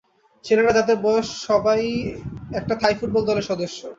ছেলেরা, যাদের বয়স সবাই একটা থাই ফুটবল দলের সদস্য।